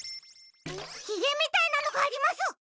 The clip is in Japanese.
ヒゲみたいなのがあります。